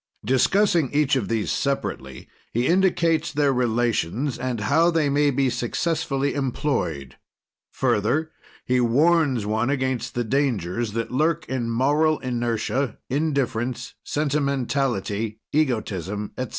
Discussing each of these separately, he indicates their relations and how they may be successfully employed. Further, he warns one against the dangers that lurk in moral inertia, indifference, sentimentality, egotism, etc.